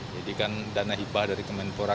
jadi kan dana hibah dari kemenpora